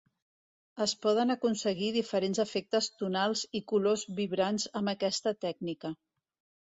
Es poden aconseguir diferents efectes tonals i colors vibrants amb aquesta tècnica.